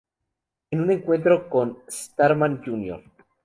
En un encuentro con un Starman Jr.